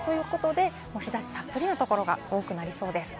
日差したっぷりのところが多くなりそうです。